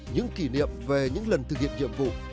những kỷ niệm về những lần thực hiện nhiệm vụ